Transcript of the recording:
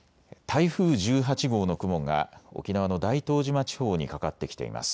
台風１８号の雲が沖縄の大東島地方にかかってきています。